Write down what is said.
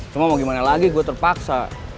cuma mau gimana lagi gue terpaksa